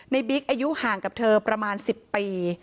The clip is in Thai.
บิ๊กอายุห่างกับเธอประมาณ๑๐ปี